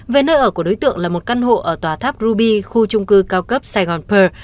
về nơi ở của đối tượng là một căn hộ ở tòa tháp ruby khu trung cư cao cấp sài gòn pờ